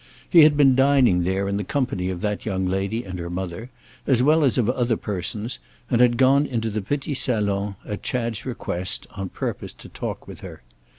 He had been dining there in the company of that young lady and her mother, as well as of other persons, and he had gone into the petit salon, at Chad's request, on purpose to talk with her.